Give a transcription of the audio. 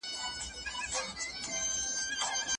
مرستيال ښوونکی څنګه د زده کوونکو پاملرنه ساتي؟